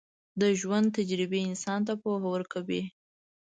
د ژوند تجربې انسان ته پوهه ورکوي.